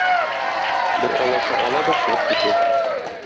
Бер алаша ала да чыгып китә.